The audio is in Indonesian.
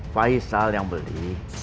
faisal yang beli